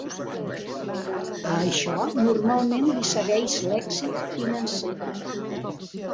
A això normalment li segueix l'èxit financer.